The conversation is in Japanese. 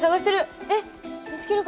えっ見つけるかな？